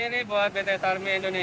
luar biasa ini